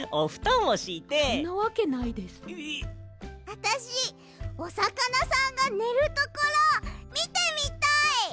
あたしおさかなさんがねるところみてみたい！